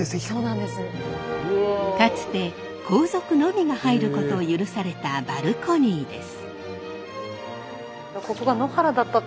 かつて皇族のみが入ることを許されたバルコニーです。